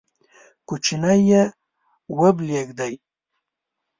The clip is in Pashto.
کوچنی یې وبلېږدی،